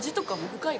深い？